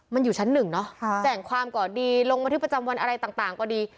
มันอยู่ชั้นหนึ่งเนอะค่ะแจ้งความก่อนดีลงมาถึงประจำวันอะไรต่างต่างก็ดี